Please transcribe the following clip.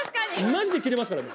マジでキレますからね。